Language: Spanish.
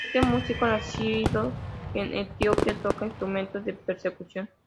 Este músico nacido en Etiopía toca instrumentos de percusión.